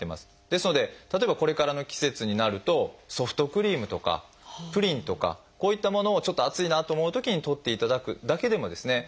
ですので例えばこれからの季節になるとソフトクリームとかプリンとかこういったものをちょっと暑いなと思うときにとっていただくだけでもですね